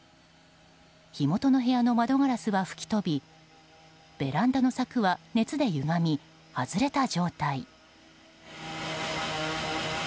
火元の部屋の窓ガラスは吹き飛びベランダの柵は熱でゆがみ外れた状態。